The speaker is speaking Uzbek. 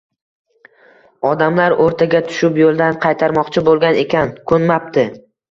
Odamlar o‘rtaga tushib yo‘ldan qaytarmoqchi bo‘lgan ekan, ko‘nmapti.